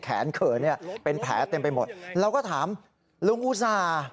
แขนเผลอเนี่ยเป็นแผลเต็มไปหมดเราก็ถามลุงอุศา